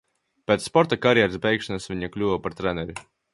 Pēc sporta karjeras beigšanas viņa kļuva par treneri.